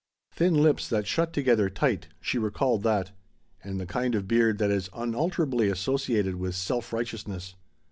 "Thin lips that shut together tight" she recalled that. And the kind of beard that is unalterably associated with self righteousness.